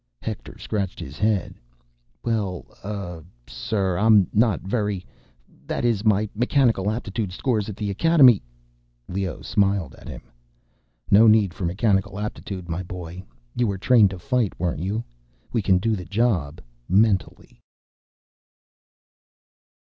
Hector scratched his head. "Well, uh, sir ... I'm not very ... that is, my mechanical aptitude scores at the Academy—" Leoh smiled at him. "No need for mechanical aptitude, my boy. You were trained to fight, weren't you? We can do the job mentally."